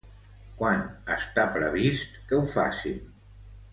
Quan està previst que ho facin?